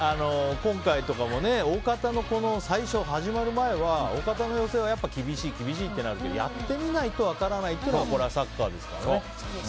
今回とかも最初、始まる前は大方の予想は厳しい、厳しいとなるけどやってみないと分からないというのがサッカーですからね。